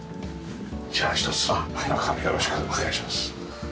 じゃあひとつ中もよろしくお願いします。